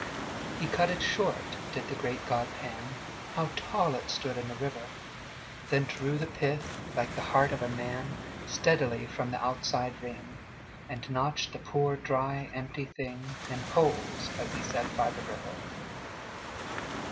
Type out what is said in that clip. He cut it short, did the great god Pan, (How tall it stood in the river!) Then drew the pith, like the heart of a man, Steadily from the outside ring, And notched the poor dry empty thing In holes, as he sat by the river.